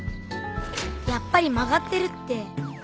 やっぱり曲がってるって。